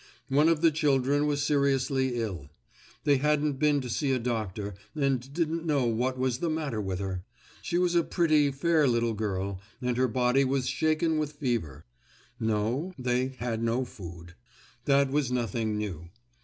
One of the children was seriously ill. They hadn't been to see a doctor and didn't know what was the matter with her. She was a pretty, fair little girl and her body was shaken with fever. No, they had no food. That was nothing new.